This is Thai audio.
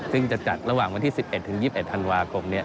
ซึ่งจะจัดระหว่างวันที่๑๑๒๑ธันวาคมนี้